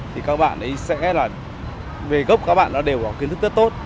thì các bạn ấy sẽ là về gốc các bạn đều có kiến thức rất tốt